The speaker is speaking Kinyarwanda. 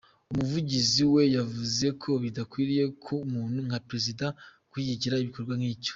Umuvugizi we yavuze ko “bidakwiye ku muntu nka Perezida gushyigikira igikorwa nk’icyo.